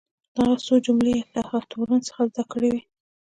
دغه څو جملې یې له هغه تورن څخه زده کړې وې.